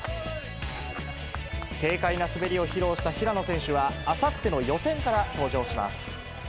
軽快な滑りを披露した平野選手は、あさっての予選から登場します。